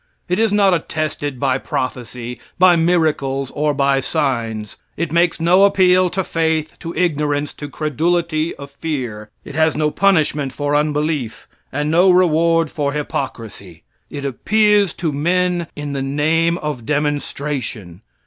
It is not attested by prophecy, by miracles or by signs. It makes no appeal to faith, to ignorance, to credulity of fear. It has no punishment for unbelief, and no reward for hypocrisy. It appears to men in the name of demonstration.